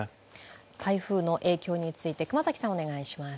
台風の影響について、熊崎さんお願いします。